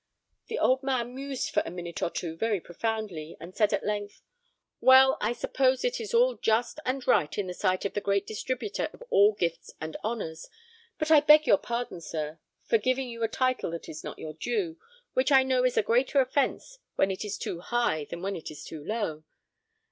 The old man mused for a minute or two very profoundly, and said at length, "Well, I suppose it is all just and right in the sight of the great Distributor of all gifts and honours; but I beg your pardon, sir, for giving you a title that is not your due, which I know is a greater offence when it is too high than when it is too low.